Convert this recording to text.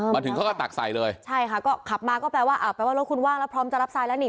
มาถึงเขาก็ตักใส่เลยใช่ค่ะก็ขับมาก็แปลว่าอ่าแปลว่ารถคุณว่างแล้วพร้อมจะรับทรายแล้วนี่